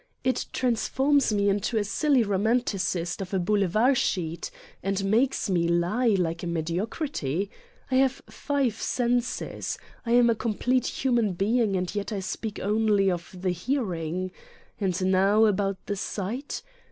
It transforms me in to a silly romanticist of a boulevard sheet and makes me lie like a mediocrity. I have five senses. I am a complete human being and yet I speak only of the hearing. And how about the sight?